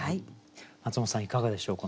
マツモトさんいかがでしょう？